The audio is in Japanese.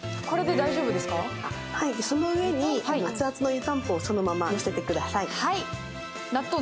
その上に熱々の湯たんぽをそのまま載せてください。